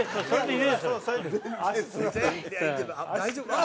大丈夫か？